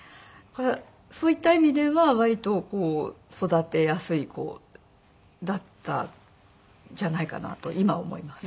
そういった意味では割と育てやすい子だったんじゃないかなと今思います。